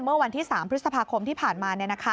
เมื่อวันที่๓พฤษภาคมที่ผ่านมา